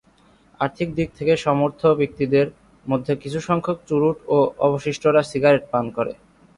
আর্থিক দিক থেকে সমর্থ ব্যক্তিদের মধ্যে কিছুসংখ্যক চুরুট ও অবশিষ্টরা সিগারেট পান করে।